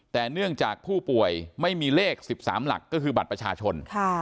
แต่เนื่องจากผู้ป่วยไม่มีเลข๑๓หลักก็คือบัตรประชาชน